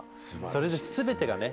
それで全てがね